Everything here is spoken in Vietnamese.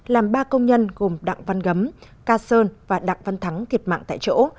làm ba công nhân gồm đặng văn gấm ca sơn và đặng văn thắng thiệt mạng tại chỗ